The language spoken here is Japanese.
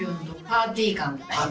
パーティー感。